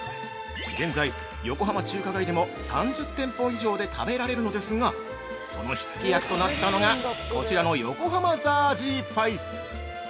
現在、横浜中華街でも３０店舗以上で食べられるのですが、その火付け役となったのがこちらの横濱炸鶏排